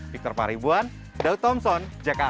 victor paribuan daud thompson jakarta